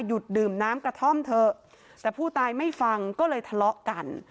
ดื่มน้ำกระท่อมเถอะแต่ผู้ตายไม่ฟังก็เลยทะเลาะกัน